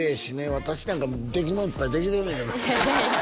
「私なんかできもんいっぱいできてんねんけど」っていやいや